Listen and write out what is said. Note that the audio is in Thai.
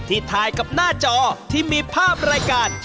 ถ่ายกับหน้าจอที่มีภาพรายการ